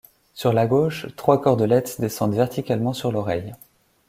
Sur la gauche, trois cordelettes descendent verticalement sur l'oreille.